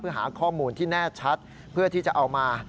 หาข้อมูลที่แน่ชัดเพื่อที่จะเอามา